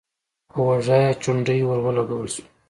په اوږه يې چونډۍ ور ولګول شوه: